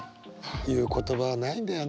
言う言葉ないんだよね。